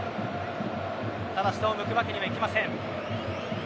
ただ、下を向くわけにはいきません。